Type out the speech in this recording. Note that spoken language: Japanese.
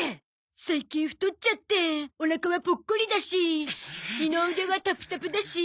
最近太っちゃっておなかはぽっこりだし二の腕はタプタプだし。